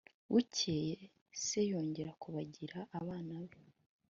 bukeye se yongera kubagira abana be